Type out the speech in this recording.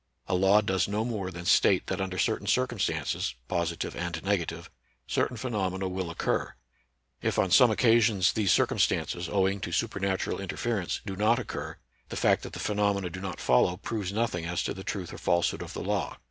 A law does no more than state that under certain circumstances (positive and nega tive) certain phenomena will occur. If on some occasions these circumstances, owing to super natural interference, do not occur, the fact that the phenomena do not follow proves nothing as to the truth or falsehood of the law."